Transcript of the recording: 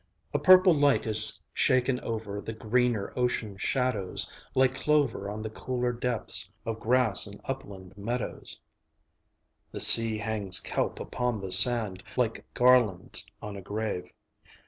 II A purple light is shaken over The greener ocean shadows, Like clover on the cooler depths Of grass in upland meadows. Ill The sea hangs kelp upon the sand Like garlands on a grave.